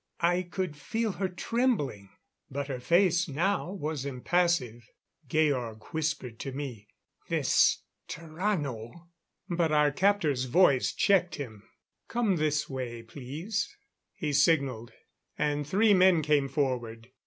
I could feel her trembling, but her face now was impassive. Georg whispered to me: "This Tarrano " But our captor's voice checked him. "Come this way, please." He signalled, and three men came forward.